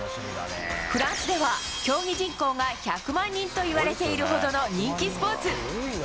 フランスでは、競技人口が１００万人といわれているほどの人気スポーツ。